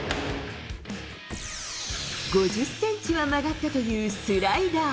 ５０センチは曲がったというスライダー。